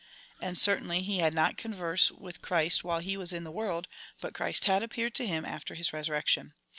And, certainly, he had not had converse with Christ while he was in the world, but Christ had appeared to him after his resurrection.